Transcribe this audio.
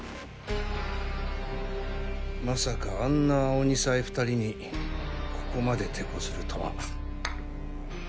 まさかあんな青二才２人にここまで手こずるとは。